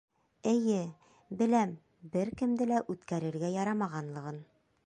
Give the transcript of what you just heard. Эйе, беләм бер кемде лә үткәрергә ярамағанлығын.